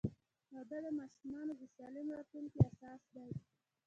• واده د ماشومانو د سالم راتلونکي اساس دی.